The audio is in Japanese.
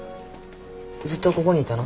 ずっとこごにいたの？